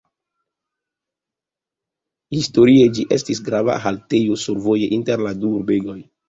Historie ĝi estis grava haltejo survoje inter la du urbegoj.